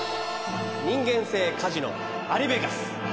「人間性カジノアリベガス」。